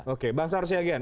oke bangsar syagian